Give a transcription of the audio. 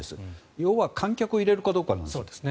要は、観客を入れるかどうかなんです。